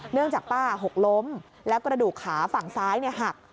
เนื่องจากป้าหกล้มแล้วกระดูกขาฝั่งซ้ายหัก